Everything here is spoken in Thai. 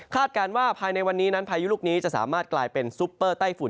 การว่าภายในวันนี้นั้นพายุลูกนี้จะสามารถกลายเป็นซุปเปอร์ไต้ฝุ่น